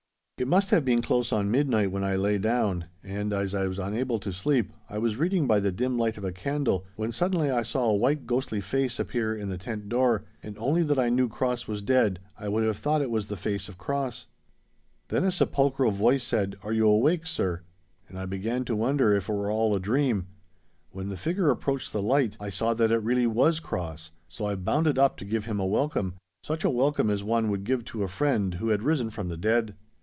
It must have been close on midnight when I lay down, and, as I was unable to sleep, I was reading by the dim light of a candle when suddenly I saw a white ghostly face appear in the tent door, and only that I knew Cross was dead I would have thought it was the face of Cross. Then a sepulchral voice said, "Are you awake, Sir?" and I began to wonder if it were all a dream. When the figure approached the light, I saw that it really was Cross, so I bounded up to give him a welcome such a welcome as one would give to a friend who had risen from the dead.